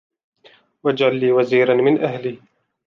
وَاجْعَلْ لِي وَزِيرًا مِنْ أَهْلِي